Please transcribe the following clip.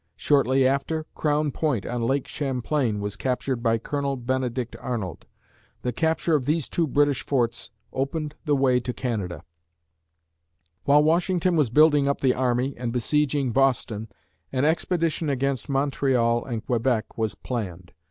Shortly after, Crown Point on Lake Champlain was captured by Colonel Benedict Arnold. The capture of these two British forts opened the way to Canada. [Illustration: The Liberty Bell] While Washington was building up the army and besieging Boston, an expedition against Montreal and Quebec was planned.